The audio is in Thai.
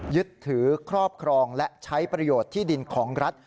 ยึดถือครอบครองและใช้ประโยชน์ที่ดินของรัฐ